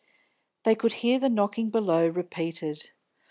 They could hear the knocking below repeated.